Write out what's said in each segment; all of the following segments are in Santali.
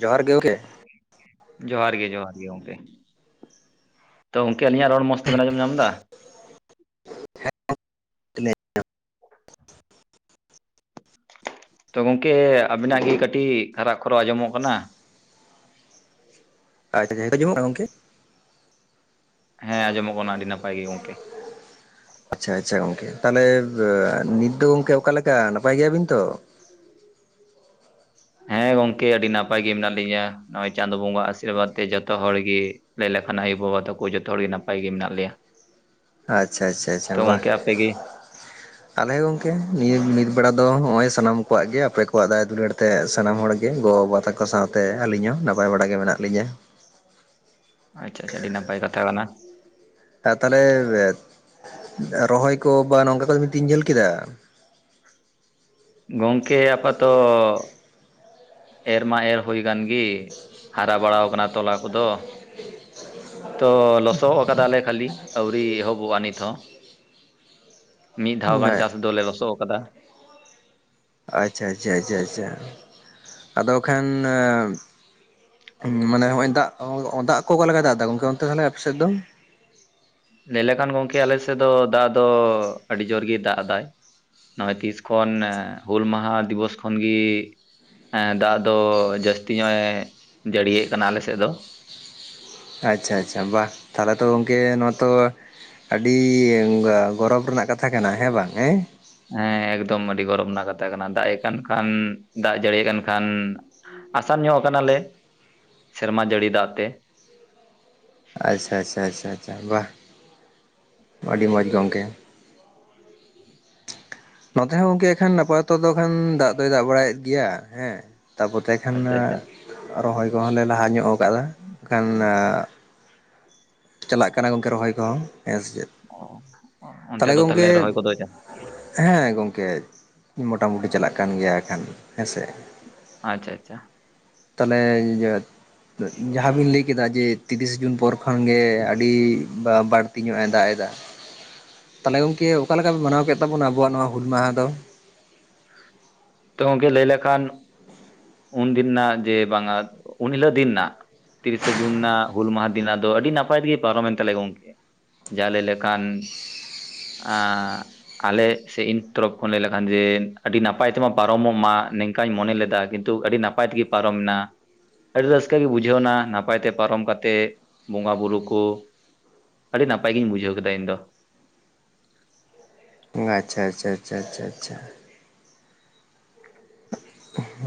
ᱡᱚᱦᱟᱨ ᱜᱮ ᱜᱚᱝᱠᱮ ᱾ ᱡᱚᱦᱟᱨ ᱜᱮ ᱡᱚᱦᱟᱨ ᱜᱮ ᱜᱚᱝᱠᱮ, ᱛᱚ ᱜᱚᱝᱠᱮ ᱟᱹᱞᱤᱧᱟᱜ ᱨᱚᱲ ᱢᱚᱸᱡᱽ ᱛᱮᱵᱮᱱ ᱟᱸᱡᱚᱢ ᱧᱟᱢ ᱫᱟ᱾ [unintelligible] ᱛᱚ ᱜᱚᱢᱠᱮ ᱟᱹᱵᱤᱱᱟᱜ ᱜᱮ ᱠᱟᱹᱴᱤᱡ ᱠᱷᱟᱨᱟᱜ ᱠᱷᱚᱨᱚᱜ ᱟᱸᱡᱚᱢᱚᱜ ᱠᱟᱱᱟ ᱾ [unintelligible] ᱟᱡᱚᱢᱚᱜ ᱠᱟᱱᱟ ᱜᱚᱢᱠᱮ? ᱦᱮᱸ ᱟᱸᱡᱚᱢᱚᱜ ᱠᱟᱱᱟ ᱟᱹᱰᱤ ᱱᱟᱯᱟᱭ ᱜᱮ ᱜᱚᱝᱠᱮ ᱾ ᱟᱪᱪᱷᱟ ᱟᱪᱪᱷᱟ, ᱜᱚᱝᱠᱮ ᱛᱟᱦᱞᱮ ᱟ ᱱᱤᱛ ᱫᱚ ᱜᱚᱝᱠᱮ ᱚᱠᱟ ᱞᱮᱠᱟ ᱱᱟᱯᱟᱭ ᱜᱮᱭᱟ ᱵᱤᱱ ᱛᱚ? ᱦᱮᱸ ᱜᱚᱝᱠᱮ ᱟᱹᱰᱤ ᱱᱟᱯᱟᱭ ᱜᱮ ᱢᱮᱱᱟᱜ ᱞᱤᱧᱟ ᱱᱚᱜᱼᱚᱭ ᱪᱟᱸᱫᱚ ᱵᱚᱸᱜᱟ ᱟᱥᱤᱨᱵᱟᱫᱽ ᱛᱮ ᱡᱚᱛᱚ ᱦᱚᱲ ᱜᱮ ᱞᱟᱹᱭ ᱞᱮᱠᱷᱟᱱ ᱟᱭᱚ ᱵᱟᱵᱟ ᱛᱚᱠᱚ ᱡᱚᱛᱚ ᱦᱚᱲ ᱜᱮ ᱱᱟᱯᱟᱭ ᱜᱮ ᱢᱮᱱᱟᱜ ᱞᱮᱭᱟ ᱾ ᱟᱪᱪᱷᱟ ᱟᱪᱪᱷᱟ ᱟᱪᱪᱷᱟ ᱵᱟ ᱟᱯᱮᱜᱮ ᱟᱞᱮ ᱦᱚᱸ ᱜᱚᱝᱠᱮ ᱱᱤᱭᱟᱹ ᱱᱤᱛ ᱵᱮᱲᱟ ᱫᱚ ᱱᱚᱜᱚᱭ ᱥᱟᱱᱟᱢ ᱠᱚᱣᱟᱜ ᱜᱮ ᱟᱯᱮ ᱠᱚᱣᱟᱜ ᱫᱟᱭᱟ ᱫᱩᱞᱟᱹᱲ ᱛᱮ ᱥᱟᱱᱟᱢ ᱦᱚᱲ ᱜᱮ ᱜᱚ ᱵᱟᱵᱟ ᱛᱮᱠᱚ ᱠᱚ ᱥᱟᱶᱛᱮ ᱟᱹᱞᱤᱧ ᱦᱚᱸ ᱱᱟᱯᱟᱭ ᱵᱟᱲᱟ ᱜᱮ ᱢᱮᱱᱟᱜ ᱞᱤᱧᱟ ᱾ ᱟᱪᱪᱷᱟ ᱟᱪᱪᱷᱟ ᱟᱹᱰᱤ ᱱᱟᱯᱟᱭ ᱠᱟᱛᱷᱟ ᱠᱟᱱᱟ ᱾ ᱟ ᱛᱟᱦᱚᱞᱮ ᱨᱚᱦᱚᱭ ᱠᱚ ᱛᱤᱱ ᱡᱷᱟᱹᱞ [unintelligible] ᱠᱮᱫᱟ ᱜᱚᱝᱠᱮ ᱟᱯᱟᱛᱚ ᱮᱨ ᱢᱟ ᱮᱨ ᱦᱩᱭ ᱟᱠᱟᱱ ᱜᱮ ᱦᱟᱨᱟ ᱵᱟᱲᱟᱣ ᱠᱟᱱᱟ ᱛᱚᱞᱟ ᱠᱚᱫᱚ, ᱛᱚ ᱞᱚᱥᱚᱫ ᱟᱠᱟᱫᱟᱞᱮ ᱠᱷᱟᱹᱞᱤ ᱟᱹᱣᱨᱤ ᱮᱦᱚᱵᱚᱜ-ᱟ ᱱᱤᱛ ᱦᱚᱸ, ᱢᱤᱫ ᱫᱷᱟᱣ ᱜᱟᱱ ᱪᱟᱥ ᱫᱚᱞᱮ ᱞᱚᱥᱚᱫ ᱟᱠᱟᱫᱟ ᱾ ᱟᱪᱪᱷᱟ ᱟᱪᱪᱷᱟ ᱟᱪᱪᱷᱟ ᱟᱪᱪᱷᱟ ᱟᱫᱚ ᱠᱷᱟᱱ ᱢᱟᱱᱮ ᱱᱚᱜᱚᱭ ᱫᱟᱜ, ᱫᱟᱜ ᱠᱚ ᱚᱠᱟ ᱞᱮᱠᱟᱭ ᱫᱟᱜ ᱮᱫᱟ ᱜᱚᱝᱠᱮ ᱚᱱᱛᱮ ᱛᱟᱦᱞᱮ ᱟᱯᱮᱥᱮᱫ ᱫᱚ? ᱞᱟᱹᱭ ᱞᱮᱠᱷᱟᱱ ᱜᱚᱢᱠᱮ ᱟᱞᱮ ᱥᱮᱫ ᱫᱚ ᱫᱟᱜ ᱫᱚ ᱟᱹᱰᱤ ᱡᱳᱨ ᱜᱮ ᱫᱟᱜ ᱮᱫᱟᱭ ᱾ ᱱᱚᱜᱭ ᱛᱤᱥ ᱠᱷᱚᱱ ᱦᱩᱞ ᱢᱟᱦᱟ ᱫᱤᱵᱚᱥ ᱠᱷᱚᱱ ᱜᱤ ᱫᱟᱜ ᱫᱚ ᱡᱟᱹᱥᱛᱤ ᱧᱚᱜ ᱮ ᱡᱟᱹᱲᱤᱭᱮᱫ ᱠᱟᱱᱟ ᱟᱞᱮ ᱥᱮᱫ ᱫᱚ ᱾ ᱟᱪᱪᱷᱟ ᱟᱪᱪᱷᱟ ᱵᱟᱦ, ᱛᱟᱦᱞᱮ ᱛᱚ ᱜᱚᱢᱠᱮ ᱱᱚᱣᱟ ᱛᱚ ᱟᱹᱰᱤ ᱜ ᱜᱚᱨᱚᱵᱽ ᱨᱮᱱᱟᱜ ᱠᱟᱛᱷᱟ ᱠᱟᱱᱟ ᱦᱮᱸ ᱵᱟᱝ ᱦᱮᱸ ᱦᱮᱸ ᱮᱠᱫᱚᱢ ᱟᱹᱰᱤ ᱜᱚᱨᱚᱵᱽ ᱨᱮᱱᱟᱜ ᱠᱟᱛᱷᱟ ᱠᱟᱱᱟ ᱫᱟᱜ ᱮ ᱠᱟᱱ ᱠᱷᱟᱱ ᱫᱟᱜ ᱡᱟᱹᱲᱤ ᱟᱠᱟᱱ ᱠᱷᱟᱱ ᱟᱥᱟᱱ ᱧᱚᱜ ᱟᱠᱟᱱᱟᱞᱮ ᱥᱮᱨᱢᱟ ᱡᱟᱹᱲᱤ ᱫᱟᱜ ᱛᱮ ᱾ ᱟᱪᱪᱷᱟ ᱟᱪᱪᱷᱟ ᱟᱪᱪᱷᱟᱪᱷᱟ ᱵᱟ ᱾ ᱟᱹᱰᱤ ᱢᱚᱸᱡᱽ ᱜᱚᱢᱠᱮ᱾ ᱱᱚᱛᱮ ᱦᱚᱸ ᱜᱚᱢᱠᱮ ᱮᱠᱷᱟᱱ ᱟᱯᱟᱛᱚᱛᱚ ᱫᱚ ᱠᱷᱟᱱ ᱫᱟᱜ ᱫᱚᱭ ᱫᱟᱜ ᱵᱟᱲᱟᱭᱮᱫ ᱜᱮᱭᱟ ᱦᱮᱸ, ᱛᱟ ᱯᱚ ᱮᱱᱛᱮ ᱠᱷᱟᱱ ᱟᱪᱪᱷᱟ ᱟᱪᱪᱷᱟ ᱨᱚᱦᱚᱭ ᱠᱚᱦᱚᱸ ᱞᱮ ᱞᱟᱦᱟ ᱧᱚᱜ [unintelligible] ᱪᱟᱞᱟᱜ ᱠᱟᱱᱟ ᱜᱚᱢᱠᱮ ᱨᱚᱦᱚᱭ ᱠᱚᱦᱚᱸ ᱦᱮᱸ ᱥᱮ ᱪᱮᱫ? ᱚ ᱚᱱᱛᱮ ᱫᱚ ᱛᱟᱦᱚᱞᱮ ᱨᱚᱦᱚᱭ ᱜᱚᱫ ᱦᱮᱸ ᱜᱚᱝᱠᱮ ᱢᱚᱴᱟ ᱢᱩᱩᱴᱤ ᱪᱟᱞᱟᱜ ᱠᱟᱱ ᱜᱮᱭᱟ ᱮ ᱠᱷᱟᱱ ᱦᱮᱸᱥᱮ᱾ ᱟᱪᱪᱷᱟ ᱟᱪᱪᱷᱟ᱾ ᱛᱟᱦᱚᱞᱮ ᱡᱟᱦᱟᱸᱵᱤᱱ ᱞᱟᱹᱭ ᱠᱮᱫᱟ ᱡᱮ ᱛᱤᱨᱤᱥ ᱡᱩᱱ ᱯᱚᱨ ᱠᱷᱚᱱᱜ ᱜᱮ ᱟᱹᱰᱤ ᱵᱟᱹᱲᱛᱤ ᱧᱚᱜ ᱮ ᱫᱟᱜ ᱮᱫᱟ ᱛᱟᱦᱚᱞᱮ ᱜᱚᱝᱠᱮ ᱚᱠᱟᱞᱮᱠᱟ ᱯᱮ ᱢᱟᱱᱟᱣ ᱠᱮᱫ ᱛᱟᱵᱚᱱᱟ? ᱟᱵᱳᱣᱟ ᱱᱚᱣᱟᱼᱟ ᱦᱩᱞ ᱢᱟᱦᱟ ᱫᱚ᱾ ᱛᱚ ᱜᱚᱢᱠᱮ ᱞᱟᱹᱭ ᱞᱮᱠᱷᱟᱱ ᱩᱱᱫᱤᱱ ᱨᱮᱱᱟᱜ ᱡᱮ ᱵᱟᱝᱟ ᱩᱱ ᱦᱤᱞᱳᱜ ᱫᱤᱱ ᱨᱮᱱᱟᱜ ᱛᱤᱨᱤᱥᱮ ᱡᱩᱱ ᱨᱮᱱᱟᱜ ᱦᱩᱞ ᱢᱟᱦᱟ ᱫᱤᱱᱟᱜ ᱫᱚ ᱟᱹᱰᱤ ᱱᱟᱯᱟᱭ ᱛᱮᱜᱮ ᱯᱟᱨᱚᱢᱮᱱ ᱛᱟᱞᱮᱭᱟ ᱜᱚᱝᱠᱮ᱾ ᱡᱟ ᱞᱮ ᱞᱮᱠᱷᱟᱱ ᱟᱞᱮ ᱥᱮ ᱤᱧ ᱛᱚᱨᱚᱯᱷ ᱠᱷᱚᱱ ᱞᱟᱹᱭ ᱞᱮᱠᱷᱟᱱ ᱡᱮ ᱟᱹᱰᱤ ᱱᱟᱯᱟᱭ ᱛᱮᱢᱟ ᱯᱟᱨᱚᱢᱚᱜ ᱢᱟ ᱱᱤᱝᱠᱟᱧ ᱢᱚᱱᱮ ᱞᱮᱫᱟ ᱠᱤᱱᱛᱩ ᱟᱹᱰᱤ ᱱᱟᱯᱟᱭ ᱛᱮᱜᱮ ᱯᱟᱨᱚᱢᱮᱱᱟ᱾ ᱟᱹᱰᱤ ᱨᱟᱹᱥᱠᱟᱹ ᱜᱮ ᱵᱩᱡᱷᱟᱹᱣ ᱮᱱᱟ ᱱᱟᱯᱟᱭ ᱛᱮ ᱯᱟᱨᱚᱢ ᱠᱟᱛᱮ ᱵᱚᱸᱜᱟ ᱵᱩᱨᱩ ᱠᱚ ᱟᱹᱰᱤ ᱱᱟᱯᱟᱭ ᱜᱤᱧ ᱵᱩᱡᱷᱟᱹᱣ ᱠᱮᱫᱟ ᱤᱧ ᱫᱚ᱾ ᱟᱪᱪᱷᱟ ᱟᱪᱪᱷᱟ ᱟᱪᱪᱷᱟ ᱟᱪᱷᱟ ᱟᱪᱪᱷᱟ᱾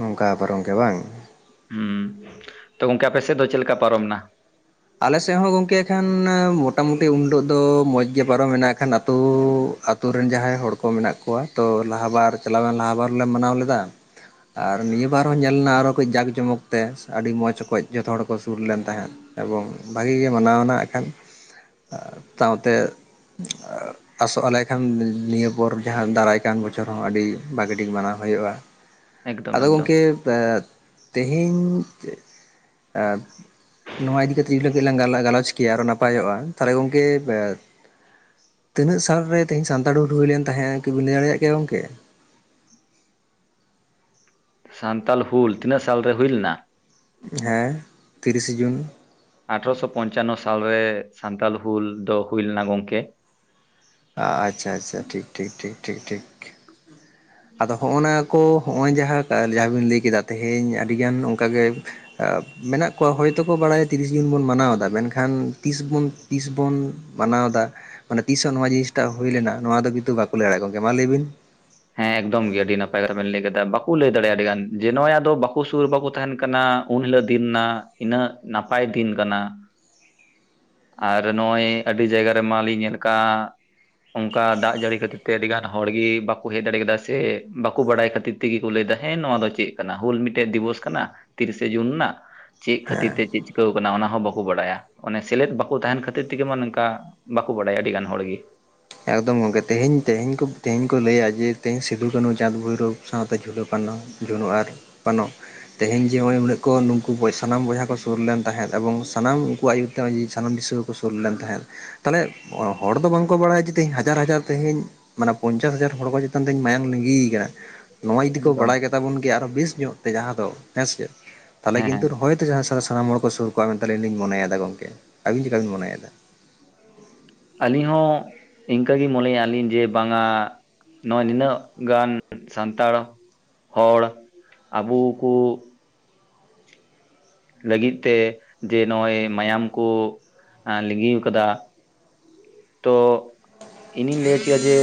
ᱚᱱᱠᱟ ᱯᱟᱨ ᱜᱚᱢᱠᱮ ᱵᱟᱝ ᱾ ᱦᱩᱸ, ᱛᱚ ᱜᱚᱝᱠᱮ ᱟᱯᱮ ᱥᱮᱫ ᱫᱚ ᱪᱮᱫ ᱞᱮᱠᱟ ᱯᱟᱨᱚᱢᱱᱟ? ᱟᱞᱮ ᱥᱮᱫ ᱦᱚᱸ ᱜᱚᱢᱠᱮ ᱮ ᱠᱷᱟᱱ ᱢᱚᱴᱟᱢᱩᱴᱤ ᱩᱱ ᱦᱤᱞᱳᱜ ᱫᱚ ᱢᱚᱡᱽ ᱜᱮ ᱯᱟᱨᱚᱢᱮ ᱠᱷᱟᱱ ᱟᱹᱛᱩ ᱟᱛᱳ ᱨᱮᱱ ᱡᱟᱦᱟᱸᱭ ᱦᱚᱲ ᱠᱚ ᱢᱮᱱᱟᱜ ᱠᱚᱣᱟ ᱛᱚ ᱞᱟᱦᱟ ᱵᱟᱨ ᱪᱟᱞᱟᱣᱮᱱ ᱞᱟᱦᱟ ᱵᱟᱨ ᱞᱮ ᱢᱟᱱᱟᱣ ᱞᱮᱫᱟ᱾ ᱟᱨ ᱱᱤᱭᱟᱹ ᱵᱟᱨ ᱦᱚᱸ ᱧᱮᱞ ᱞᱮᱱᱟ ᱟᱨᱚ ᱠᱟᱹᱡ ᱡᱟᱠ ᱡᱚᱢᱚᱠ ᱛᱮ ᱟᱹᱰᱤ ᱢᱚᱡᱽᱠᱚᱡ ᱡᱚᱛᱚ ᱦᱚᱲ ᱠᱚ ᱥᱩᱨ ᱞᱮᱱ ᱛᱟᱦᱮᱸᱫ᱾ ᱮᱵᱚᱝ ᱵᱷᱟᱜᱤ ᱜᱮ ᱢᱟᱱᱟᱣᱱᱟ ᱮᱜ ᱠᱷᱟᱱ ᱥᱟᱶᱛᱮ ᱟᱥᱚᱜ ᱟᱞᱮ ᱠᱷᱟᱱ ᱱᱤᱭᱟᱹ ᱯᱚᱨ ᱡᱟᱦᱟᱸ ᱫᱟᱨᱟᱭ ᱠᱟᱱ ᱵᱚᱪᱷᱚᱨ ᱦᱚᱸ ᱟᱹᱰᱤ ᱵᱷᱟᱹᱜᱤ ᱴᱷᱤᱠ ᱢᱟᱱᱟᱣ ᱦᱩᱭᱩᱜᱼᱟ᱾ ᱮᱠᱫᱚᱢ ᱟᱫᱚ ᱮᱠᱫᱚᱢ ᱜᱚᱝᱠᱮ ᱵᱮ ᱛᱮᱦᱮᱧ ᱪᱮᱫ ᱮ ᱱᱚᱣᱟ ᱤᱫᱤᱠᱟ ᱠᱟᱛᱮᱜ ᱡᱩᱫᱤ ᱞᱟᱝ ᱜᱟᱞᱚᱪ ᱠᱮᱭᱟ ᱟᱨᱚ ᱱᱟᱯᱟᱭᱚᱜᱼᱟ, ᱛᱟᱦᱚᱞᱮ ᱜᱚᱝᱠᱮ ᱛᱤᱱᱟᱹᱜ ᱥᱟᱞᱨᱮ ᱛᱮᱦᱤ ᱥᱟᱱᱛᱟᱲ ᱦᱩᱞ ᱦᱩᱭ ᱞᱮᱱ ᱛᱟᱦᱮᱸᱫ ᱠᱤᱵᱤᱱ ᱞᱟᱹᱭ ᱫᱟᱲᱮᱭᱟᱜ ᱠᱮᱭᱟ ᱜᱚᱢᱠᱮ? ᱥᱟᱱᱛᱟᱞ ᱦᱩᱞ ᱛᱤᱱᱟᱹᱜ ᱥᱟᱞᱨᱮ ᱦᱩᱭ ᱞᱮᱱᱟ? ᱦᱮᱸ ᱛᱤᱨᱤᱥᱮ ᱡᱩᱱ᱾ ᱟᱴᱷᱨᱚᱥᱚ ᱯᱚᱧᱪᱟᱱᱱᱚ ᱥᱟᱞᱨᱮ ᱥᱟᱱᱛᱟᱞ ᱦᱩᱞ ᱫᱚ ᱦᱩᱭ ᱞᱮᱱᱟ ᱜᱚᱢᱠᱮ᱾ ᱟᱪᱪᱷᱟ ᱟᱪᱷᱟ ᱴᱷᱤᱠ ᱴᱷᱤᱠ ᱴᱷᱤᱠ ᱴᱷᱤᱠ ᱴᱷᱤᱠ᱾ ᱟᱫᱚ ᱦᱚᱸᱜᱼ ᱱᱟ ᱠᱚ ᱱᱚᱜᱼᱚᱭ ᱡᱟᱦᱟᱸ ᱡᱟᱦᱟᱸ ᱵᱤᱱ ᱞᱟᱹᱭ ᱠᱮᱫᱟ ᱛᱮᱦᱮᱧ ᱟᱹᱰᱤᱜᱟᱱ ᱚᱱᱠᱟᱜᱮ ᱢᱮᱱᱟᱜ ᱠᱚᱣᱟ ᱦᱚᱭᱛᱳᱠᱚ ᱵᱟᱲᱟᱭᱟ ᱛᱤᱨᱤᱥ ᱡᱩᱱ ᱵᱚᱱ ᱢᱟᱱᱟᱣᱫᱟ ᱢᱮᱱᱠᱷᱟᱱ ᱛᱤᱥ ᱛᱤᱥ ᱵᱚᱱ ᱢᱟᱱᱟᱣ ᱫᱟ ᱢᱟᱱᱮ ᱛᱤᱥᱦ ᱦᱚᱸ ᱱᱚᱣᱟ ᱡᱤᱱᱤᱥᱴᱟ ᱦᱩᱭ ᱞᱮᱱᱟ ᱱᱚᱣᱟ ᱫᱚ ᱠᱤᱱᱛᱩ ᱵᱟᱠᱚ ᱞᱟᱹᱭ ᱫᱟᱲᱮᱭᱟᱜ ᱜᱚᱢᱠᱮ, ᱢᱟ ᱞᱟᱹᱭ ᱵᱤᱱ? ᱦᱮᱸ ᱮᱠᱫᱚᱢ ᱜᱮ ᱟᱹᱰᱤ ᱱᱟᱯᱟᱭ ᱠᱟᱛᱷᱟ ᱵᱮᱱ ᱞᱟᱹᱭ ᱠᱮᱫᱟ, ᱵᱟᱠᱚ ᱞᱟᱹᱭ ᱫᱟᱲᱮᱭᱟᱜᱼᱟ ᱟᱹᱰᱤ ᱜᱟᱱ ᱡᱮ ᱱᱚᱜ ᱫᱚ ᱵᱟᱠᱚ ᱥᱩᱨ ᱵᱟᱠᱚ ᱛᱟᱦᱮᱱ ᱠᱟᱱᱟ᱾ ᱩᱱ ᱦᱤᱞᱳᱜ ᱫᱤᱱ ᱨᱮᱱᱟᱜ ᱤᱱᱟᱹᱜ ᱱᱟᱯᱟᱭ ᱫᱤᱱ ᱠᱟᱱᱟ᱾ ᱟᱨ ᱱᱚᱜᱼᱚᱭ ᱟᱹᱰᱤ ᱡᱟᱭᱜᱟ ᱨᱮ ᱢᱟᱞᱤᱧ ᱧᱮᱞ ᱠᱟᱜ ᱚᱱᱠᱟ ᱫᱟᱜ ᱡᱟᱹᱲᱤ ᱠᱷᱟᱹᱛᱤᱨ ᱛᱮ ᱟᱹᱰᱤ ᱜᱟᱱ ᱦᱚᱲ ᱜᱮᱤ ᱵᱟᱠᱚ ᱦᱮᱡ ᱫᱟᱲᱮ ᱠᱟᱫᱟ ᱥᱮ ᱵᱟᱠᱚ ᱵᱟᱲᱟᱭ ᱠᱷᱟᱹᱛᱤᱨ ᱛᱮᱜᱮ ᱠᱚ ᱞᱟᱹᱭᱫᱟ ᱦᱮᱸ ᱱᱚᱣᱟ ᱫᱚ ᱪᱮᱫ ᱠᱟᱱᱟ ᱦᱩᱞ ᱢᱤᱫᱴᱮᱡ ᱫᱤᱵᱚᱥ ᱠᱟᱱᱟ ᱛᱤᱨᱤᱥᱮ ᱡᱩᱱ ᱨᱮᱱᱟᱜ᱾ ᱪᱮᱫ ᱠᱷᱟᱹᱛᱤᱨ ᱛᱮ ᱪᱮᱫ ᱪᱤᱠᱟᱹ ᱟᱠᱟᱱᱟ ᱚᱱᱟ ᱦᱚᱸ ᱵᱟᱠᱚ ᱵᱟᱲᱟᱭᱟ ᱚᱱᱮ ᱥᱮᱞᱮᱫ ᱵᱟᱠᱚ ᱛᱟᱦᱮᱱ ᱠᱷᱟᱹᱛᱤᱨ ᱛᱮᱜᱮ ᱢᱟ ᱱᱚᱝᱠᱟ ᱵᱟᱠᱚ ᱵᱟᱲᱟᱭᱟ ᱟᱹᱰᱤ ᱜᱟᱱ ᱦᱚᱲᱜᱮ᱾ ᱮᱠᱫᱚᱢ ᱜᱚᱢᱠᱮ ᱛᱮᱦᱧ ᱛᱮᱦᱮᱧ ᱛᱮᱦᱮᱧ ᱠᱚ ᱞᱟᱹᱭᱟ ᱡᱮ ᱛᱮᱦᱤᱧ ᱥᱤᱫᱩ ᱠᱟᱹᱱᱦᱩ ᱪᱟᱸᱫᱽ ᱵᱷᱳᱭᱨᱳᱵᱽ ᱥᱟᱶᱛᱮ ᱡᱷᱩᱞᱟᱹ ᱯᱟᱱᱚ ᱡᱷᱩᱞᱩ ᱟᱨ ᱯᱟᱱᱚ ᱛᱮᱦᱮᱧ ᱡᱮ ᱱᱚᱜ ᱚᱚᱭ ᱩᱱᱟᱹᱜ ᱱᱠᱩ ᱥᱟᱱᱟᱢ ᱵᱚᱭᱦᱟ ᱠᱚ ᱥᱩᱨ ᱞᱮᱱ ᱛᱟᱦᱮᱸᱫ ᱮᱵᱚᱝ ᱥᱟᱱᱟᱢ ᱩᱱᱠᱩ ᱟᱹᱭᱩᱨ ᱛᱮ ᱱᱚᱜ ᱥᱟᱱᱟᱢ ᱫᱤᱥ ᱥᱩᱨ ᱞᱮᱱ ᱛᱟᱦᱮᱸᱫ ᱛᱟᱦᱚᱞᱮ ᱦᱚᱲ ᱫᱚ ᱵᱟᱝᱠᱚ ᱵᱟᱲᱟᱭᱟ ᱦᱟᱡᱟᱨ ᱦᱟᱡᱟᱨ ᱛᱮᱦᱤᱧ ᱢᱟᱱᱮ ᱯᱚᱧᱪᱟᱥ ᱦᱟᱡᱟᱨ ᱦᱚᱲ ᱠᱚ ᱪᱮᱛᱟᱱ ᱛᱮᱦᱤᱧ ᱢᱟᱭᱟᱝ ᱞᱤᱸᱜᱤᱭ ᱠᱟᱱᱟ ᱱᱚᱣᱟ ᱡᱩᱫᱤ ᱠᱚ ᱮᱠᱫᱚᱢ ᱵᱟᱲᱟᱭ ᱠᱟᱛᱟ ᱵᱚᱱ ᱜᱮᱭᱟ ᱟᱨᱚ ᱵᱮᱥ ᱧᱚᱜ ᱛᱮ ᱡᱟᱦᱟᱸ ᱫᱚ ᱦᱮᱸᱥᱮ ᱛᱟᱦᱚᱞᱮ ᱦᱮᱸ ᱦᱮᱸ ᱠᱤᱱᱛᱩ ᱛᱮ ᱡᱟᱦᱟᱸ ᱥᱟᱱᱟᱢ ᱦᱚᱲ ᱠᱚ ᱥᱩᱨ ᱠᱚᱼᱟ ᱢᱮᱱ ᱛᱮ ᱞᱤᱧ ᱢᱚᱱᱮᱫᱟ ᱜᱚᱝᱠᱮ ᱟᱵᱤᱱ ᱪᱮᱫ ᱪᱤᱠᱟᱵᱤᱱ ᱢᱚᱱᱮᱭᱟ? ᱟᱹᱞᱤᱧ ᱦᱚᱸ ᱤᱱᱠᱟᱹ ᱜᱮ ᱢᱚᱱᱮᱭᱮᱜ ᱟᱹᱞᱤᱧ ᱡᱮ ᱵᱟᱝᱟ ᱱᱚᱜᱼᱚᱭ ᱱᱤᱱᱟᱹᱜ ᱜᱟᱱ ᱥᱟᱱᱛᱟᱲ ᱦᱚᱲ ᱟᱵᱩ ᱠᱩ ᱞᱟᱹᱜᱤᱫ ᱛᱮ ᱡᱮ ᱱᱚᱜᱼᱚᱭ ᱢᱟᱭᱟᱢ ᱠᱚ ᱞᱤᱸᱜᱤ ᱠᱟᱫᱟᱼᱼ ᱛᱚ ᱤᱧᱤᱧ ᱞᱟᱹᱭ ᱦᱚᱪᱚᱭᱟ ᱡᱮ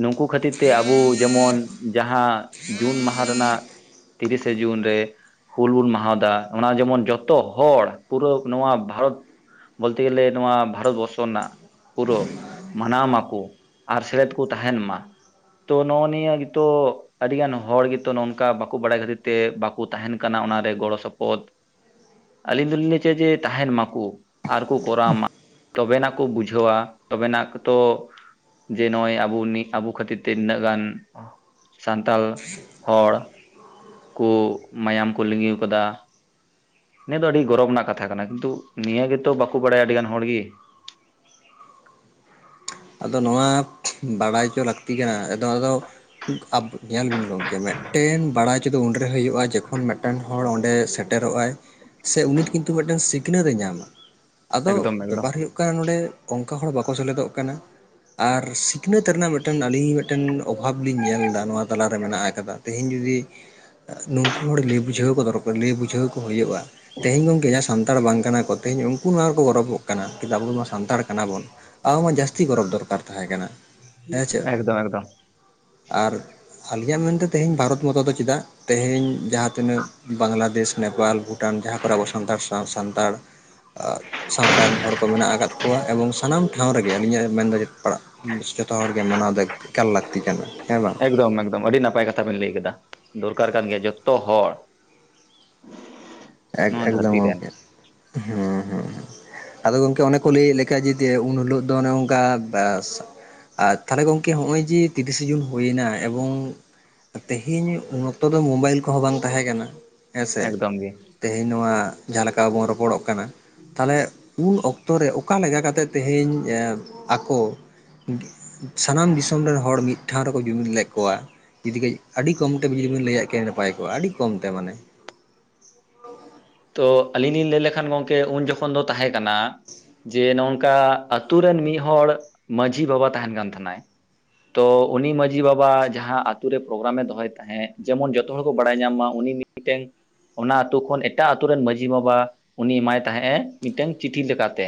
ᱱᱩᱠᱩ ᱠᱷᱟᱹᱛᱤᱨ ᱛᱮ ᱟᱵᱚ ᱡᱮᱢᱚᱱ ᱡᱟᱦᱟᱸ ᱡᱩᱱ ᱢᱟᱦᱟ ᱨᱮᱱᱟᱜ ᱛᱤᱨᱤᱥᱮ ᱡᱩᱱ ᱨᱮ ᱦᱩᱞ ᱵᱚᱱ ᱢᱟᱦᱟᱫᱟ ᱚᱱᱟ ᱡᱮᱢᱚᱱ ᱡᱚᱛᱚ ᱦᱚᱲ ᱯᱩᱨᱟᱹ ᱱᱚᱣᱟ ᱵᱷᱟᱨᱚᱛ ᱵᱚᱞᱛᱮ ᱜᱮᱞᱮ ᱱᱚᱣᱟ ᱵᱷᱟᱨᱚᱛ ᱵᱚᱨᱥᱚ ᱨᱮᱱᱟᱜ ᱯᱩᱨᱟᱹ ᱢᱟᱱᱟᱣ ᱢᱟᱠᱚ ᱟᱨ ᱥᱮᱞᱮᱫ ᱠᱚ ᱛᱟᱦᱮᱱ ᱢᱟ ᱾ ᱛᱚ ᱱᱚ ᱱᱤᱭᱟᱹ ᱜᱮᱛᱚ ᱟᱹᱰᱤᱜᱟᱱ ᱦᱚᱲ ᱜᱮᱛᱚ ᱱᱚᱝᱠᱟ ᱵᱟᱠᱚ ᱵᱟᱲᱟᱭ ᱠᱷᱟᱹᱛᱤᱨ ᱛᱮ ᱵᱟᱠᱚ ᱛᱟᱦᱮᱱ ᱠᱟᱱᱟ ᱚᱱᱟᱨᱮ ᱜᱚᱲᱚ ᱥᱚᱯᱚᱦᱚᱫ ᱾ ᱟᱹᱞᱤᱧ ᱫᱚᱞᱤᱧ ᱞᱟᱹᱭ ᱚᱪᱚᱮᱫ ᱡᱮ ᱛᱟᱦᱮᱱ ᱢᱟᱠᱚ ᱟᱨᱠᱚ ᱠᱚᱨᱟᱣ ᱢᱟ ᱛᱚᱵᱮ ᱱᱟᱜ ᱠᱚ ᱵᱩᱡ ᱵᱩᱡᱷᱟᱹᱣᱟ ᱛᱚᱵᱮ ᱱᱟᱜ ᱠᱚ ᱛᱚ ᱡᱮ ᱱᱚᱜᱼᱚᱭ ᱟᱵ ᱟᱵᱚ ᱠᱷᱟᱹᱛᱤᱨ ᱛᱮ ᱱᱤᱱᱟᱹᱜ ᱜᱟᱱ ᱥᱟᱱᱛᱟᱞ ᱦᱚᱲ ᱠᱩ ᱢᱟᱭᱟᱢ ᱠᱚ ᱞᱤᱸᱜᱤ ᱟᱠᱟᱫᱟ ᱾ ᱱᱤᱭᱟᱹ ᱫᱚ ᱟᱹᱰᱤ ᱜᱚᱨᱚᱵᱽ ᱨᱮᱱᱟᱜ ᱠᱟᱛᱷᱟ ᱠᱟᱱᱟ ᱠᱤᱱᱛᱩ ᱱᱤᱭᱟᱹ ᱜᱮᱛᱚ ᱵᱟᱠᱚ ᱵᱟᱲᱟᱭᱟ ᱟᱹᱰᱤᱜᱟᱱ ᱦᱚᱲᱜᱮ ᱾ ᱟᱫᱚ ᱱᱚᱣᱟ ᱵᱟᱲᱟᱭᱪᱚ ᱞᱟᱹᱠᱛᱤ ᱠᱟᱱᱟ, ᱟᱫᱚ ᱟᱫᱚ ᱧᱮᱞ ᱵᱤᱱ ᱜᱚᱢᱠᱮ ᱢᱮᱫ ᱢᱤᱫᱴᱮᱱ ᱵᱟᱲᱟᱭ ᱦᱚᱪᱚ ᱫᱚ ᱩᱱᱨᱮ ᱦᱩᱭᱩᱜᱼᱟ ᱡᱚᱠᱷᱚᱱ ᱢᱤᱫᱴᱮᱱ ᱦᱚᱲ ᱚᱸᱰᱮ ᱥᱮᱴᱮᱨᱚᱜ ᱟᱭ ᱥᱮ ᱩᱱᱤ ᱠᱤᱱᱛᱩ ᱢᱤᱫᱴᱟᱝ ᱥᱤᱠᱷᱱᱟᱹᱛ ᱮ ᱧᱟᱢᱟ ᱾ ᱟᱫᱚ ᱮᱠᱫᱚᱢ ᱮᱠᱫᱚᱢ ᱵᱮᱯᱟᱨ ᱦᱩᱭᱩᱜ ᱠᱟᱱᱟ ᱱᱚᱰᱮ ᱚᱱᱠᱟ ᱦᱚᱲ ᱵᱟᱠᱚ ᱥᱮᱞᱮᱫᱚᱜ ᱠᱟᱱᱟ ᱾ ᱟᱨ ᱥᱤᱠᱷᱱᱟᱹᱛ ᱨᱮᱱᱟᱜ ᱢᱤᱫᱴᱮᱱ ᱟᱹᱰᱤ ᱢᱤᱫᱴᱟᱝ ᱚᱵᱷᱟᱵᱽ ᱞᱤᱧ ᱧᱮᱞ ᱮᱫᱟ ᱱᱚᱣᱟ ᱛᱟᱞᱟᱨᱮ ᱢᱮᱱᱟᱜ ᱟᱠᱟᱫᱟ ᱛᱮᱦᱮᱧ ᱡᱩᱫᱤ ᱱᱩᱠᱩ ᱦᱚᱲ ᱞᱟᱹᱭ ᱵᱩᱡᱷᱟᱹᱣ ᱠᱚ ᱫᱚᱨᱠᱟᱨ ᱞᱟᱹᱭ ᱵᱩᱡᱷᱟᱹᱣ ᱠᱚ ᱦᱩᱭᱩᱜᱼᱟ ᱛᱮᱦᱮᱧ ᱜᱚᱝᱠᱮ ᱡᱟᱦᱟᱸ ᱥᱟᱱ ᱥᱟᱱᱛᱟᱲ ᱵᱟᱝ ᱠᱟᱱᱟ ᱠᱚ ᱛᱮᱦᱤᱧ ᱩᱱᱠᱩ ᱱᱚᱣᱟ ᱨᱮᱠᱚ ᱜᱚᱨᱚᱵᱚᱜ ᱠᱟᱱᱟ ᱠᱤᱱᱛᱩ ᱟᱵᱚ ᱢᱟ ᱥᱟᱱᱟᱲ ᱠᱟᱱᱟ ᱟᱵᱚᱱ ᱢᱟ ᱡᱟᱹᱛᱤ ᱡᱟᱹᱥᱛᱤ ᱜᱚᱨᱚᱵᱽ ᱫᱚᱨᱠᱟᱨ ᱛᱟᱦᱮᱸ ᱠᱟᱱᱟ ᱦᱮᱸ ᱪᱮ, ᱮᱠᱫᱚᱢ ᱟᱨ ᱟᱹᱞᱤᱧᱟᱜ ᱢᱮᱱᱛᱮ ᱛᱮᱦᱮᱧ ᱵᱷᱟᱨᱚᱛ ᱢᱚᱛᱚ ᱫᱚ ᱪᱮᱫᱟᱜ ᱛᱮᱦᱮᱧ ᱡᱟᱦᱟᱸ ᱛᱤᱱᱟᱹᱜ ᱵᱟᱝᱞᱟᱫᱮᱥ ᱱᱮᱯᱟᱞ ᱵᱷᱩᱴᱟᱱ ᱡᱟᱦᱟᱸ ᱠᱚᱨᱮ ᱟᱵᱚ ᱥᱟᱱᱛᱟᱲ ᱥᱟᱶ ᱥᱟᱱᱛᱟᱲ ᱥᱟᱶᱛᱟ ᱨᱮᱱ ᱦᱚᱲ ᱠᱚ ᱢᱮᱱᱟᱜ ᱟᱠᱟᱫ ᱠᱚᱣᱟ ᱮᱵᱚᱝ ᱥᱟᱱᱟᱢ ᱴᱷᱟᱶ ᱨᱮᱜᱮ ᱟᱹᱞᱤᱧᱟᱜ ᱢᱮᱱᱫᱚ ᱯᱟᱲᱟᱜ ᱡᱚᱛᱚ ᱦᱚᱲ ᱜᱮ ᱢᱟᱱᱟᱣ ᱫᱚ ᱮᱠᱟᱞ ᱞᱟᱹᱠᱛᱤ ᱠᱟᱱᱟ ᱦᱮᱸ ᱵᱟᱝ ᱮᱠᱫᱚᱢ ᱮᱠᱫᱚᱢ ᱟᱹᱰᱤ ᱱᱟᱯᱟᱭ ᱠᱟᱛᱷᱟ ᱵᱤᱱ ᱞᱟᱹᱭ ᱠᱮᱫᱟ ᱫᱚᱨᱠᱟᱨ ᱠᱟᱱ ᱜᱮᱭᱟ ᱡᱚᱛᱚ ᱦᱚᱲ ᱮ ᱱᱚᱣᱟ ᱮᱠᱫᱚᱢ ᱫᱷᱟᱹᱨᱛᱤ ᱨᱮᱱ ᱜᱚᱝᱠᱮ ᱦᱮᱸ ᱦᱮᱸ ᱦᱸ ᱟᱫᱚ ᱜᱚᱢᱠᱮ ᱚᱱᱮ ᱠᱚ ᱞᱟᱹᱭᱮᱫ ᱞᱮ ᱞᱮᱠᱟ ᱡᱮ ᱩᱱᱦᱤᱞᱳᱜ ᱫᱚ ᱚᱱᱮ ᱚᱱᱠᱟ ᱟᱨ ᱛᱟᱦᱚᱞᱮ ᱜᱚᱢᱠᱮ ᱱᱚᱜᱼᱚᱭ ᱡᱮ ᱛᱤᱨᱤᱥᱮ ᱡᱩᱱ ᱦᱩᱭᱱᱟ ᱮᱵᱚᱝ ᱛᱮᱦᱮᱧ ᱢᱚᱛᱚ ᱚᱠᱛᱚ ᱫᱚ ᱢᱳᱵᱟᱭᱤᱞ ᱠᱚᱦᱚᱸ ᱵᱟᱝ ᱛᱟᱦᱮᱸ ᱠᱟᱱᱟ ᱦᱮᱸᱥᱮ? ᱵᱟᱝ ᱜᱮ ᱾ ᱛᱮᱦᱮᱧ ᱱᱚᱣᱟ ᱡᱟᱦᱟᱸ ᱞᱮᱠᱟ ᱵᱚᱱ ᱨᱚᱯᱚᱲᱚᱜ ᱠᱟᱱᱟ ᱛᱟᱦᱚᱞᱮ ᱩᱱ ᱚᱠᱛᱚ ᱚᱠᱛᱚ ᱨᱮ ᱚᱠᱟ ᱞᱮᱠᱟ ᱠᱟᱛᱮᱫ ᱛᱮᱦᱮᱧ ᱟᱠᱚ ᱥᱟᱱᱟᱢ ᱫᱤᱥᱚᱢ ᱨᱮᱱ ᱦᱚᱲ ᱢᱤᱫ ᱴᱷᱟᱶ ᱨᱮᱠᱚ ᱡᱩᱢᱤᱫ ᱞᱮᱫ ᱠᱚᱣᱟ ᱾ ᱡᱩᱫᱤ ᱜᱮ ᱟᱹᱰᱤ ᱠᱚᱢᱛᱮ ᱵᱤᱱ ᱡᱚᱫᱤ ᱵᱤᱱ ᱞᱟᱹᱭᱟ ᱠᱮᱭᱟ ᱱᱟᱯᱟᱭ ᱠᱚᱜᱼᱟ ᱟᱹᱰᱤ ᱠᱚᱢᱛᱮ ᱢᱟᱱᱮ [unintelligible] ᱛᱚ ᱟᱹᱞᱤᱧ ᱞᱤᱧ ᱞᱟᱹᱭ ᱞᱮᱠᱷᱟᱱ ᱜᱚᱢᱠᱮ ᱩᱱ ᱡᱚᱠᱷᱚᱱ ᱫᱚ ᱛᱟᱦᱮᱸ ᱠᱟᱱᱟ ᱡᱮ ᱱᱚᱝᱠᱟ ᱟᱛᱩ ᱨᱮᱱ ᱢᱤᱫ ᱦᱚᱲ ᱢᱟᱺᱡᱷᱤ ᱵᱟᱵᱟ ᱛᱟᱦᱮᱸᱱ ᱠᱟᱱ ᱛᱟᱦᱮᱸᱱᱟᱭ᱾ ᱛᱚ ᱩᱱᱤ ᱢᱟᱺᱡᱷᱤ ᱵᱟᱵᱟ ᱡᱟᱦᱟᱸ ᱟᱛᱩ ᱩᱱᱤ ᱢᱟᱡᱷᱤ ᱵᱟᱵᱟ ᱡᱟᱦᱟ ᱟᱛᱳ ᱨᱮ ᱯᱨᱳᱜᱨᱟᱢᱮ ᱫᱚᱦᱚᱭ ᱛᱟᱦᱮᱸᱫ ᱡᱮᱢᱚᱱ ᱡᱚᱛᱚ ᱦᱚᱲ ᱠᱚ ᱵᱟᱲᱟᱭ ᱧᱟᱢ ᱢᱟ ᱩᱱᱤ ᱢᱤᱫᱴᱮᱱ ᱚᱱᱟ ᱟᱹᱛᱩ ᱠᱷᱚᱱ ᱮᱴᱟᱜ ᱟᱛᱩ ᱨᱮᱱ ᱢᱟᱺᱡᱷᱤ ᱵᱟᱵᱟ ᱩᱱᱤ ᱮᱢᱟᱭ ᱛᱟᱦᱮᱸᱜ ᱮ ᱢᱤᱫᱴᱟᱝ ᱪᱤᱴᱷᱤ ᱞᱮᱠᱟᱛᱮ,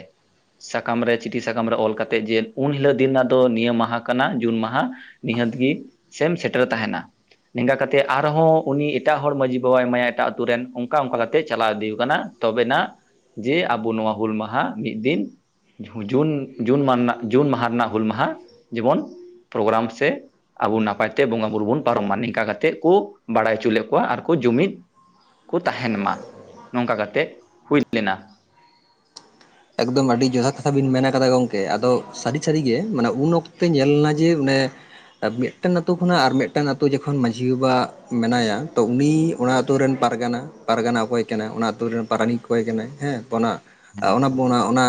ᱥᱟᱠᱟᱢ ᱨᱮ ᱪᱤᱴᱷᱤ ᱥᱟᱠᱟᱢ ᱨᱮ ᱚᱞ ᱠᱟᱛᱮ ᱡᱮ ᱩᱱ ᱦᱤᱞᱳᱜ ᱫᱤᱱ ᱨᱮᱱᱟᱜ ᱫᱚ ᱱᱤᱭᱟᱹ ᱢᱟᱦᱟ ᱠᱟᱱᱟ ᱡᱩᱱ ᱢᱟᱦᱟ, ᱱᱤᱦᱟᱹᱛ ᱜᱮ ᱥᱮᱢ ᱥᱮᱴᱮᱨ ᱛᱟᱦᱮᱸᱱᱟ ᱾ ᱱᱮᱝᱜᱟ ᱠᱟᱛᱮᱫ ᱟᱨᱦᱚᱸ ᱩᱱᱤ ᱮᱴᱟᱜ ᱦᱚᱲ ᱢᱟᱺᱡᱷᱤ ᱵᱟᱵᱟᱭ ᱮᱢᱟᱭᱟ ᱮᱴᱟᱜ ᱟᱛᱳ ᱨᱮᱱ ᱚᱱᱠᱟ ᱚᱝᱠᱟ ᱛᱮ ᱪᱟᱞᱟᱣ ᱤᱫᱤ ᱠᱟᱱᱟ ᱛᱚᱵᱮᱱᱟᱜ ᱡᱮ ᱟᱵᱚ ᱱᱚᱣᱟ ᱦᱩᱞ ᱢᱟᱦᱟ ᱢᱤᱫ ᱫᱤᱱ ᱡᱷᱩ ᱡᱩᱱ ᱡᱩᱱ ᱢᱟᱱᱟ ᱢᱟᱦᱟ ᱨᱮᱱᱟᱜ ᱦᱩᱞ ᱢᱟᱦᱟ ᱡᱮᱢᱚᱱ ᱯᱳᱨᱜᱨᱟᱢ ᱥᱮ ᱟᱵᱚ ᱱᱟᱯᱟᱭ ᱛᱮ ᱵᱚᱸᱜᱟ ᱵᱩᱨᱩ ᱵᱚᱱ ᱯᱟᱨᱚᱢᱟ ᱱᱤᱝᱠᱟ ᱠᱟᱛᱮᱜ ᱠᱚ ᱵᱟᱲᱟᱭ ᱦᱚᱪᱚ ᱞᱮᱫ ᱠᱚᱣᱟ ᱟᱨᱠᱚ ᱡᱩᱢᱤᱫ ᱠᱩ ᱛᱟᱦᱮᱸᱱ ᱢᱟ᱾ ᱱᱚᱝᱠᱟ ᱠᱟᱛᱮᱜ ᱦᱩᱭ ᱞᱮᱱᱟ᱾ ᱮᱠᱫᱚᱢ ᱟᱹᱰᱤ ᱡᱚᱛᱷᱟᱛ ᱠᱟᱛᱷᱟ ᱵᱤᱱ ᱢᱮᱱ ᱠᱟᱫᱟ ᱜᱚᱢᱠᱮ ᱟᱫᱚ ᱥᱟᱹᱨᱤ ᱥᱟᱹᱨᱤᱜᱮ ᱢᱟᱱᱮ ᱩᱱ ᱚᱠᱛᱮ ᱧᱮᱞᱱᱟ ᱡᱮ ᱚᱱᱮ ᱢᱤᱫᱴᱮᱱ ᱟᱛᱩ ᱠᱷᱚᱱᱟᱜ ᱟᱨ ᱢᱤᱫᱴᱮᱱ ᱟᱛᱩ ᱡᱚᱠᱷᱚᱱ ᱢᱟᱺᱡᱷᱤ ᱵᱟᱵᱟ ᱢᱮᱱᱟᱭᱟ ᱛᱚ ᱩᱱᱤ ᱚᱱᱟᱛᱩᱨ ᱨᱮᱱ ᱯᱟᱨᱜᱟᱱᱟ ᱯᱟᱨᱜᱟᱱᱟ ᱚᱠᱚᱭ ᱠᱟᱱᱟᱭ ᱚᱱᱟ ᱟᱛᱩᱨ ᱨᱮᱱ ᱯᱟᱨᱟᱱᱤᱠ ᱚᱠᱚᱭ ᱠᱟᱱᱟ ᱦᱮᱸ ᱛᱚ ᱚᱱᱟ ᱟ ᱦᱮᱸ ᱚᱱᱟ ᱵᱚ ᱚᱱᱟ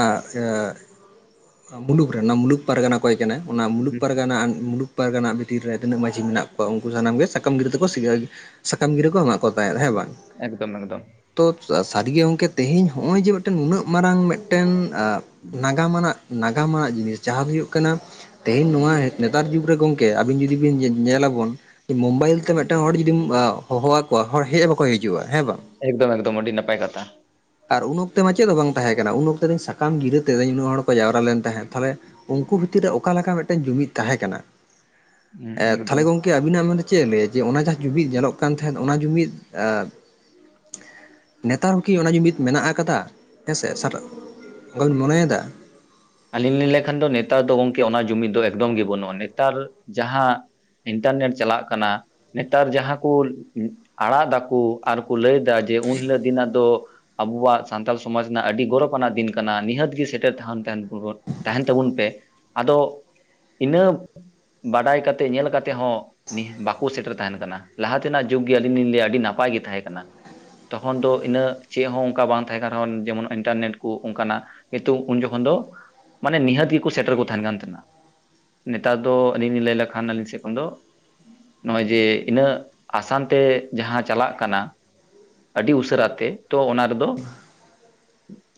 ᱢᱩᱞᱩᱠ ᱨᱮᱱ ᱚᱱᱟ ᱢᱩᱞᱩᱠ ᱯᱟᱨᱜᱟᱱᱟ ᱚᱠᱚᱭ ᱠᱟᱱᱟ, ᱚᱱᱟ ᱢᱩᱞᱩᱠ ᱯᱟᱨᱜᱟᱱᱟ ᱢᱩᱞᱩᱠ ᱯᱟᱨᱜᱟᱱᱟ ᱵᱷᱤᱛᱤᱨ ᱨᱮ ᱛᱤᱱᱟᱹᱜ ᱢᱟᱹᱡᱷᱤ ᱢᱮᱱᱟᱜ ᱠᱚᱣᱟ ᱩᱝᱠᱩ ᱥᱟᱱᱟᱢ ᱜᱮ ᱥᱟᱠᱟᱢ ᱜᱤᱫᱨᱟᱹ ᱛᱮᱠᱚ ᱥᱤᱭᱟ ᱥᱟᱠᱟᱢ ᱜᱤᱨᱟᱹ ᱠᱚ ᱮᱢᱟᱜ ᱠᱚ ᱛᱟᱦᱮᱸᱫ ᱦᱮᱸ ᱵᱟᱝ? ᱮᱠᱫᱚᱢ ᱮᱠᱫᱚᱢ ᱛᱚ ᱥᱟᱹᱨᱤᱜᱮ ᱜᱚᱢᱠᱮ ᱛᱮᱦᱤᱧ ᱦᱚᱸᱜᱼᱚᱭ ᱡᱮ ᱢᱤᱫᱴᱮᱱ ᱱᱩᱱᱟᱹᱜ ᱢᱟᱨᱟᱝ ᱢᱤᱫᱴᱮᱱ ᱟ ᱱᱟᱜᱟᱢ ᱟᱱᱟᱜ ᱱᱟᱜᱟᱢ ᱟᱱᱟ ᱡᱤᱱᱤᱥ ᱡᱟᱦᱟᱸ ᱦᱩᱭᱩᱜ ᱠᱟᱱᱟ ᱛᱮᱦᱮᱸᱧ ᱱᱚᱣᱟ ᱱᱮᱛᱟᱨ ᱡᱩᱜᱽ ᱨᱮ ᱜᱚᱝᱠᱮ ᱟᱵᱤᱱ ᱡᱩᱫᱤ ᱵᱤᱱ ᱧᱮᱞᱟᱵᱚᱱ ᱢᱳᱵᱟᱭᱤᱞ ᱛᱮ ᱢᱤᱫᱴᱟᱝ ᱦᱚᱲ ᱡᱩᱫᱤᱢ ᱦᱚᱦᱚᱣᱟᱠᱚᱣᱟ ᱦᱚᱲ ᱦᱮᱡ ᱦᱚᱸ ᱵᱟᱠᱚ ᱦᱤᱡᱩᱜᱼᱟ ᱦᱮᱸ ᱵᱟᱝ? ᱮᱠᱫᱚᱢ ᱮᱠᱫᱚᱢ ᱟᱹᱰᱤ ᱱᱟᱯᱟᱭ ᱠᱟᱛᱷᱟ᱾ ᱟᱨ ᱩᱱ ᱚᱠᱛᱮ ᱢᱟ ᱪᱮᱫ ᱫᱚ ᱵᱟᱝ ᱛᱟᱦᱮᱸ ᱠᱟᱱᱟ ᱩᱱ ᱚᱠᱛᱮ ᱫᱚᱧ ᱥᱟᱠᱟᱢ ᱜᱤᱨᱟᱹ ᱛᱮᱫᱚᱧ ᱩᱱᱟᱹᱜ ᱦᱚᱲ ᱠᱚ ᱡᱟᱣᱨᱟ ᱞᱮᱱ ᱛᱟᱦᱮᱸᱫ ᱛᱟᱦᱞᱮ ᱩᱝᱠᱩ ᱵᱷᱤᱛᱤᱨ ᱨᱮ ᱚᱠᱟ ᱞᱮᱠᱟ ᱢᱤᱫᱴᱮᱡ ᱡᱩᱢᱤᱫ ᱛᱟᱦᱮᱸ ᱠᱟᱱᱟ, ᱦᱮᱸ ᱮ ᱛᱟᱦᱞᱮ ᱮᱠᱫᱚᱢ ᱜᱚ ᱠᱤ ᱟᱵᱤᱱᱟᱜ ᱢᱟᱱᱮ ᱪᱮᱫ ᱮ ᱞᱟᱹᱭᱟ ᱡᱮ ᱚᱱᱟ ᱡᱟᱦᱟᱸ ᱡᱩᱢᱤᱫ ᱧᱮᱞᱚᱜ ᱠᱟᱱ ᱛᱟᱦᱮᱸᱫ ᱚᱱᱟ ᱡᱩᱢᱤᱫ ᱱᱮᱛᱟᱨ ᱦᱚᱸᱠᱤ ᱚᱱᱟ ᱡᱩᱢᱤᱫ ᱢᱮᱱᱟᱜ ᱟᱠᱟᱫᱦᱮᱸᱥᱮ ᱚᱝᱠᱟ ᱵᱮᱱ ᱢᱚᱱᱮᱭᱫᱟ? ᱟᱹᱞᱤᱧ ᱞᱤᱧ ᱞᱟᱹᱭᱠᱷᱟᱱ ᱫᱚ ᱱᱮᱛᱟᱨ ᱫᱚ ᱜᱚᱢᱠᱮ ᱚᱱᱟ ᱡᱩᱢᱤᱫ ᱫᱚ ᱮᱠᱫᱚᱢ ᱜᱮ ᱵᱟᱹᱱᱩᱜᱼᱟ ᱱᱮᱛᱟᱨ ᱡᱟᱦᱟᱸ ᱤᱱᱴᱟᱨᱱᱮᱴ ᱪᱟᱞᱟᱜ ᱠᱟᱱᱟ ᱱᱮᱛᱟᱨ ᱡᱟᱦᱟᱸ ᱠᱚ ᱟᱲᱟᱜ ᱫᱟᱠᱚ ᱟᱨᱠᱚ ᱞᱟᱹᱭᱫᱟ ᱡᱮ ᱩᱱ ᱦᱤᱞᱳᱜ ᱫᱤᱱ ᱟᱜ ᱫᱚ ᱟᱵᱩᱣᱟᱜ ᱥᱟᱱᱛᱟᱞ ᱥᱚᱢᱟᱡᱽ ᱨᱮᱱᱟᱜ ᱟᱹᱰᱤ ᱜᱚᱨᱚᱵᱽ ᱟᱱᱟᱜ ᱫᱤᱱ ᱠᱟᱱᱟ ᱱᱤᱦᱟᱹᱛ ᱜᱮ ᱥᱮᱴᱮᱨ ᱛᱟᱦᱚᱱ ᱛᱟᱦᱮᱸᱱ ᱠᱳᱦᱚᱫ ᱛᱟᱦᱮᱸᱱ ᱛᱟᱵᱚᱱ ᱯᱮ ᱟᱫᱚ ᱤᱱᱟᱹ ᱵᱟᱰᱟᱭ ᱠᱟᱛᱮ ᱧᱮᱞ ᱠᱟᱛᱮ ᱦᱚᱸ ᱱᱮᱦᱜ ᱵᱟᱠᱚ ᱥᱮᱴᱮᱨ ᱛᱟᱦᱮᱸᱱ ᱠᱟᱱᱟ ᱞᱟᱦᱟ ᱛᱮᱱᱟᱜ ᱡᱩᱜᱽ ᱜᱮ ᱟᱹᱞᱤᱧ ᱞᱤᱧ ᱞᱟᱹᱭᱟ ᱟᱹᱰᱤ ᱱᱟᱯᱟᱭ ᱜᱮ ᱛᱟᱦᱮᱸ ᱠᱟᱱᱟ᱾ ᱛᱚᱠᱷᱚᱱ ᱫᱚ ᱤᱱᱟᱹᱜ ᱪᱮᱫ ᱦᱚᱸ ᱚᱝᱠᱟ ᱵᱟᱝ ᱛᱟᱦᱮᱸ ᱠᱟᱱ ᱨᱮᱦᱚᱸ ᱡᱮᱢᱚᱱ ᱤᱱᱴᱟᱨᱱᱮᱴ ᱠᱚ ᱚᱱᱠᱟᱱᱟᱜ ᱱᱤᱛᱩ ᱩᱱ ᱡᱚᱠᱷᱚᱱ ᱫᱚ ᱢᱟᱱᱮ ᱱᱤᱦᱟᱹᱛ ᱜᱮᱠᱚ ᱥᱮᱴᱮᱨ ᱠᱚ ᱛᱟᱦᱮᱱ ᱠᱟᱱ ᱛᱟᱦᱮᱸᱱᱟ᱾ ᱱᱮᱛᱟᱨ ᱫᱚ ᱟᱹᱞᱤᱧ ᱞᱟᱹᱭ ᱞᱮᱠᱷᱟᱱ ᱟᱹᱞᱤᱧ ᱥᱮ ᱠᱷᱚᱱ ᱫᱚ ᱱᱚᱜᱼᱚᱭ ᱡᱮ ᱤᱱᱟᱹᱜ ᱟᱥᱟᱱ ᱛᱮ ᱡᱟᱦᱟᱸ ᱪᱟᱞᱟᱜ ᱠᱟᱱᱟ ᱟᱹᱰᱤ ᱩᱥᱟᱹᱨᱟ ᱛᱮ ᱛᱚ ᱚᱱᱟ ᱨᱮᱫᱚ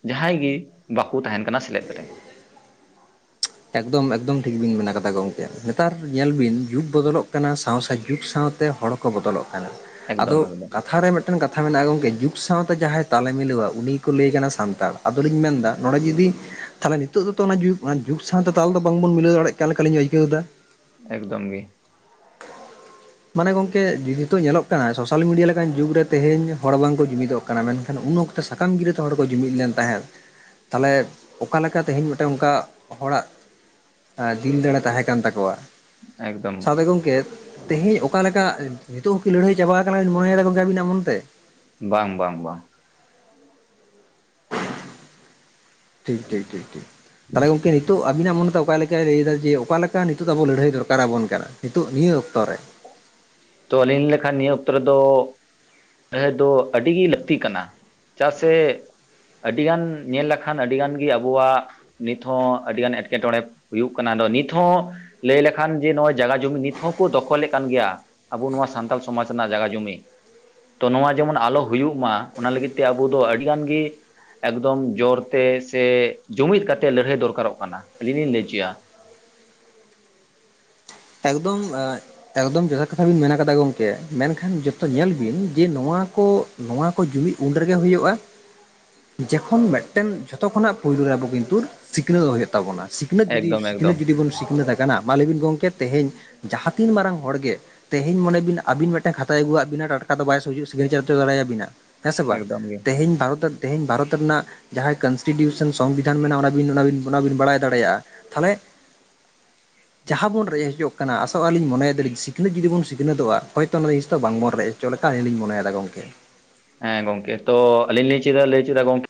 ᱡᱟᱦᱟᱸᱭ ᱜᱮ ᱵᱟᱠᱭ ᱛᱟᱦᱮᱸᱱ ᱠᱟᱱᱟ ᱥᱮᱞᱮᱫ ᱨᱮ ᱮᱠᱫᱚᱢ ᱮᱠᱫᱚᱢ ᱴᱷᱤᱠ ᱵᱤᱱ ᱢᱮ ᱠᱟᱫᱟ ᱜᱚᱢᱠᱮ, ᱱᱮᱛᱟᱨ ᱧᱮᱞ ᱵᱤᱱ ᱡᱩᱜᱽ ᱵᱚᱫᱚᱞᱚᱜ ᱠᱟᱱᱟ ᱥᱟᱶᱥ ᱡᱩᱜᱽ ᱥᱟᱶᱛᱮ ᱦᱚᱲ ᱠᱚ ᱵᱚᱫᱚᱞᱚᱜ ᱠᱟᱱᱟ ᱟᱫᱚ ᱮᱠᱫᱚᱢ ᱮᱠᱫᱚᱢ ᱠᱟᱛᱷᱟ ᱨᱮ ᱢᱤᱫ ᱢᱤᱫᱴᱮᱱ ᱠᱟᱛᱷᱟ ᱢᱮᱱᱟᱜᱼᱟ ᱜᱚᱝᱠᱮ ᱡᱩᱜᱽ ᱥᱟᱶᱛᱮ ᱡᱟᱦᱟᱸᱭ ᱛᱟᱞᱮ ᱢᱤᱞᱟᱹᱣᱟ ᱩᱱᱤ ᱜᱮᱠᱚ ᱞᱟᱹᱭ ᱠᱟᱱᱟ ᱥᱟᱱᱛᱟᱲ ᱟᱫᱚᱞᱤᱧ ᱢᱮᱱᱫᱟ ᱱᱚᱰᱮ ᱡᱩᱫᱤᱼᱼ ᱛᱟᱦᱚᱞᱮ ᱱᱤᱛᱚᱜ ᱫᱚ ᱛᱚ ᱚᱱᱟ ᱡᱩᱜᱽ ᱚᱱᱟ ᱡᱩᱜᱽ ᱥᱟᱶᱛᱮ ᱛᱟᱞ ᱫᱚ ᱵᱟᱝ ᱵᱚᱱ ᱢᱤᱞᱟᱹᱣ ᱫᱟᱲᱮᱭᱟᱜ ᱠᱟᱱ ᱞᱮᱠᱟᱞᱤᱧ ᱟᱹᱭᱠᱟᱹᱣ ᱮᱫᱟ ᱮᱠᱫᱚᱢ ᱜᱮᱼᱼ ᱢᱟᱱᱮ ᱜᱚᱝᱠᱮ ᱱᱤᱛᱚᱜ ᱧᱮᱞᱚᱜ ᱠᱟᱱᱟ ᱥᱳᱥᱟᱞ ᱢᱤᱰᱤᱭᱟ ᱞᱮᱠᱟᱱ ᱡᱩᱜᱽ ᱨᱮ ᱛᱮᱦᱮᱧ ᱦᱚᱲ ᱵᱟᱝ ᱠᱚ ᱡᱩᱢᱤᱫᱚᱜ ᱠᱟᱱᱟ ᱢᱮᱱ ᱠᱷᱟᱱ ᱩᱱ ᱚᱠᱛᱚ ᱥᱟᱠᱟᱢ ᱜᱤᱨᱟᱹ ᱛᱮ ᱦᱚᱲ ᱠᱚ ᱡᱩᱢᱤᱫ ᱞᱮᱱ ᱛᱟᱦᱮᱸᱫ ᱛᱟᱦᱚᱞᱮ ᱚᱠᱟ ᱞᱮᱠᱟ ᱛᱮᱦᱮᱧ ᱢᱤᱫᱴᱟᱝ ᱚᱱᱠᱟ ᱦᱚᱲᱟᱜ ᱫᱤᱞ ᱫᱟᱲᱮ ᱛᱟᱦᱮᱸ ᱠᱟᱱ ᱛᱟᱠᱚᱣᱟ ᱮᱠᱫᱚᱢ ᱥᱟᱛᱮ ᱜᱚᱢᱠᱮ ᱛᱮᱦᱮᱧ ᱚᱠᱟ ᱞᱮᱠᱟ ᱱᱤᱛᱚᱜ ᱦᱚᱸᱠᱤ ᱞᱟᱹᱲᱦᱟᱹᱭ ᱪᱟᱵᱟ ᱟᱠᱟᱱᱟ ᱢᱚᱱᱮᱭ ᱮᱫᱟ ᱜᱚᱝᱠᱮ ᱟᱵᱤᱱᱟᱜ ᱢᱚᱱ ᱛᱮ ᱵᱟᱝ ᱵᱟᱝ ᱵᱟᱝᱼᱼ ᱴᱷᱤᱠ ᱴᱷᱤᱠ ᱴᱷᱤᱠ ᱴᱷᱤᱠ ᱛᱟᱦᱞᱮ ᱜᱚᱝᱠᱮ ᱱᱤᱛᱚᱜ ᱟᱵᱤᱱᱟᱜ ᱢᱚᱱ ᱛᱟ ᱚᱠᱟ ᱞᱮᱠᱟ ᱞᱟᱹᱭ ᱫᱟ ᱡᱮ ᱚᱠᱟ ᱞᱮᱠᱟ ᱱᱤᱛᱚᱜ ᱫᱚ ᱟᱵᱚ ᱞᱟᱹᱲᱦᱟᱹᱭ ᱫᱚᱨᱠᱟᱨ ᱟᱵᱚᱱ ᱠᱟᱱᱟ ᱱᱤᱛᱚᱜ ᱱᱤᱭᱟᱹ ᱚᱠᱛᱚ ᱨᱮᱼᱼ ᱛᱚ ᱟᱹᱞᱤᱧ ᱞᱮᱠᱷᱟᱱ ᱱᱤᱭᱟᱹ ᱚᱠᱛᱚ ᱨᱮ ᱫᱚ ᱞᱟᱹᱲᱦᱟᱹᱭ ᱫᱚ ᱟᱹᱰᱤ ᱜᱮ ᱞᱟᱹᱠᱛᱤ ᱠᱟᱱᱟ ᱪᱟ ᱥᱮᱼᱼ ᱟᱹᱰᱤ ᱜᱟᱱ ᱧᱮᱞ ᱞᱮᱠᱷᱟᱱ ᱟᱹᱰᱤᱜᱟᱱ ᱜᱮ ᱟᱵᱚᱣᱟᱜ ᱱᱤᱛ ᱦᱚᱸ ᱟᱹᱰᱤᱜᱟᱱ ᱮᱴᱠᱮᱴᱚᱬᱮ ᱦᱩᱭᱩᱜ ᱠᱟᱱᱟ ᱟᱫᱚ ᱱᱤᱛ ᱦᱚᱸᱼᱼ ᱞᱟᱹᱭ ᱞᱮᱠᱷᱟᱱ ᱡᱮ ᱱᱚᱜᱼᱚᱭ ᱡᱟᱜᱟ ᱡᱩᱢᱤ ᱱᱤᱛ ᱦᱚᱸ ᱠᱚ ᱫᱚᱠᱷᱚᱞ ᱮᱫ ᱠᱟᱱ ᱜᱮᱭᱟ ᱟᱵᱚ ᱱᱚᱣᱟ ᱥᱟᱱᱛᱟᱞ ᱥᱚᱢᱟᱡᱽ ᱨᱮᱱᱟᱜ ᱡᱟᱜᱟ ᱡᱩᱢᱤ ᱛᱚ ᱱᱚᱣᱟ ᱡᱮᱢᱚᱱ ᱟᱞᱚ ᱦᱩᱭᱩᱜ ᱢᱟ ᱚᱱᱟ ᱞᱟᱹᱜᱤᱫ ᱛᱮ ᱟᱵᱚ ᱫᱚ ᱟᱹᱰᱤ ᱜᱟᱱ ᱜᱮᱼᱼ ᱮᱠᱫᱚᱢ ᱡᱳᱨ ᱛᱮ ᱥᱮ ᱡᱩᱢᱤᱫ ᱠᱟᱛᱮ ᱞᱟᱹᱲᱦᱟᱹᱭ ᱫᱚᱨᱠᱟᱨᱚᱜ ᱠᱟᱱᱟ ᱟᱹᱞᱤᱧ ᱞᱤᱧ ᱞᱟᱹᱭ ᱦᱚᱪᱚᱭᱟ ᱮᱠᱫᱚᱢ [unintelligible] ᱮᱠᱫᱚᱢ ᱡᱚᱛᱷᱟᱛ ᱠᱟᱛᱷᱟ ᱵᱮᱱ ᱢᱮᱱ ᱟᱠᱟᱫᱟ ᱜᱚᱢᱠᱮ ᱢᱮᱱ ᱠᱷᱟᱱ ᱡᱚᱛᱚ ᱧᱮᱞ ᱵᱤᱱ ᱡᱮ ᱱᱚᱣᱟ ᱠᱚᱼᱼ ᱱᱚᱣᱟ ᱠᱚ ᱡᱩᱢᱤᱫ ᱩᱱ ᱨᱮᱜᱮ ᱦᱩᱭᱩᱜᱼᱟ ᱡᱚᱠᱷᱚᱱ ᱢᱤᱫᱴᱮᱱ ᱡᱷᱚᱛᱚ ᱠᱷᱚᱱᱟᱜ ᱯᱳᱭᱞᱳ ᱨᱮ ᱟᱵᱚ ᱠᱤᱱᱛᱩ ᱥᱤᱠᱷᱱᱟᱹ ᱫᱚ ᱦᱩᱭᱩᱜ ᱛᱟᱵᱚᱱᱟ ᱥᱤᱠᱷᱱᱟᱹᱛ ᱡᱩᱫᱤ ᱮᱠᱫᱚᱢ ᱥᱤᱠᱷᱱᱟᱹᱛ ᱮᱠᱫᱚᱢ ᱡᱩᱫᱤ ᱵᱚᱱ ᱥᱤᱠᱷᱱᱟᱹᱛ ᱟᱠᱟᱱᱟ ᱢᱟ ᱞᱟᱭᱵᱤᱱ ᱜᱚᱢᱠᱮ ᱛᱮᱦᱮᱧ ᱡᱟᱦᱟᱸ ᱛᱤᱱ ᱢᱟᱨᱟᱝ ᱦᱚᱲ ᱜᱮᱼᱼ ᱛᱮᱦᱤᱧ ᱢᱚᱱᱮ ᱵᱤᱱ ᱟᱵᱤᱱ ᱢᱤᱫᱴᱮᱱ ᱠᱷᱟᱛᱟᱭ ᱟᱹᱜᱩᱣᱟᱫ ᱵᱤᱱᱟ ᱴᱟᱴᱠᱟ ᱫᱚ ᱵᱟᱭ ᱥᱤᱜᱱᱮᱪᱟᱨ ᱫᱟᱲᱮᱭ ᱟᱵᱮᱱᱟ ᱦᱮᱸ ᱥᱮ ᱵᱟᱝ ᱮᱠᱫᱚᱢ ᱜᱮ ᱛᱮᱦᱮᱧ [unintelligible] ᱛᱮᱦᱮᱧ ᱵᱷᱟᱨᱚᱛ ᱨᱮᱱᱟᱜ ᱡᱟᱦᱟᱸᱭ ᱠᱚᱱᱥᱴᱤᱴᱤᱭᱩᱥᱚᱱ ᱥᱚᱝᱵᱤᱫᱷᱟᱱ ᱢᱮᱱᱟᱜᱼᱟ ᱚᱱᱟ ᱵᱤᱱ ᱚᱱᱟ ᱵᱤᱱ ᱵᱟᱲᱟᱭ ᱫᱟᱲᱮᱭᱟᱼᱟ ᱛᱟᱦᱚᱞᱮ ᱡᱟᱦᱟᱸ ᱵᱚᱱ ᱨᱮᱡᱼᱼ [unintelligible] ᱟᱥᱚᱜᱞᱤᱧ ᱢᱚᱱᱮᱭᱮ ᱫᱟᱞᱟᱹᱧ ᱥᱤᱠᱷᱱᱟᱛ ᱡᱩᱫᱤ ᱵᱚᱱ ᱥᱤᱠᱷᱱᱟᱹᱛᱚᱜᱼᱟ ᱦᱚᱭᱛᱚ ᱱᱤᱭᱳ ᱦᱤᱸᱥ ᱫᱚ ᱵᱟᱝ ᱵᱚᱱ ᱨᱮᱡ ᱦᱚᱪᱚ ᱞᱮᱠᱷᱟᱱ ᱞᱤᱧ ᱢᱚᱱᱮᱭ ᱮᱫᱟ ᱜᱚᱝᱠᱮ ᱦᱮᱸ ᱜᱚᱝᱠᱮ ᱛᱚ ᱟᱞᱤᱧ ᱞᱤᱧ ᱪᱮᱫ ᱞᱟᱹᱭ ᱪᱮᱫᱟ ᱜᱚᱝᱠᱮ